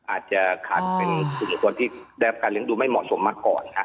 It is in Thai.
อาจจะขาดเป็นสิ่งหรือตัวที่ได้รับการเลี้ยงดูไม่เหมาะสมมาก่อนค่ะ